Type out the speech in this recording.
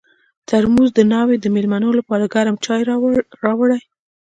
ترموز د ناوې د مېلمنو لپاره ګرم چای راوړي.